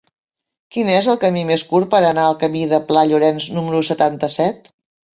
Quin és el camí més curt per anar al camí del Pla Llorenç número setanta-set?